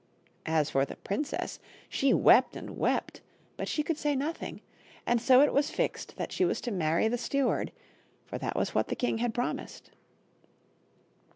As for the princess, she wept and wept, but she could say nothing, and so it was fixed that she was to many the steward, for that was what the king had promised.